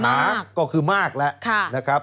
มหาก็คือมากแล้ว